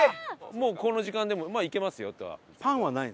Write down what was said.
もうこの時間でもまあいけますよとは。